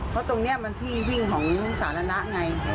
เพราะตรงนี้มันที่วิ่งของสาธารณะไง